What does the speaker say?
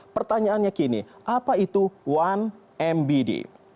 pertanyaannya kini apa itu satu mbd